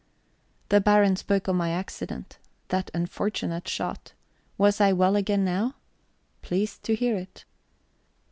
The Baron spoke of my accident that unfortunate shot. Was I well again now? Pleased to hear it.